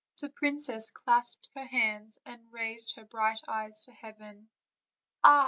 The princess clasped her hands; and raising her bright eyes to heaven: "Ah!"